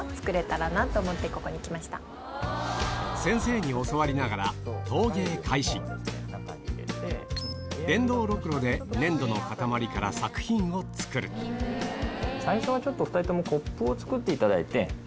先生に教わりながら電動ろくろで粘土の塊から作品を作る最初はお２人ともコップを作っていただいて。